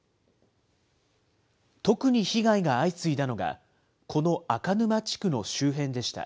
特に被害が相次いだのが、この赤沼地区の周辺でした。